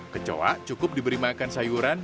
kecoa cukup diberi makan sayuran